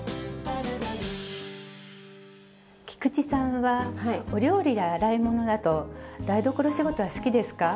菊池さんはお料理や洗い物など台所仕事は好きですか？